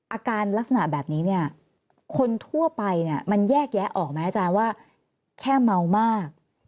อาการลักษณะแบบนี้เนี่ยคนทั่วไปเนี่ยมันแยกแยะออกไหมอาจารย์ว่าแค่เมามาก